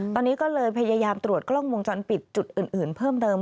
ตอนนี้ก็เลยพยายามตรวจกล้องวงจรปิดจุดอื่นเพิ่มเติม